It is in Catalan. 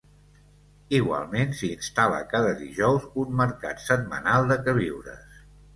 Igualment s'hi instal·la cada dijous un mercat setmanal de queviures.